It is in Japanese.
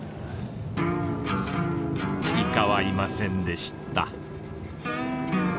イカはいませんでした。